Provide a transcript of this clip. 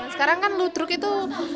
sekarang kan ludruk itu